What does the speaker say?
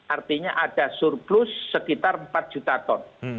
artinya ada surplus sekitar empat juta ton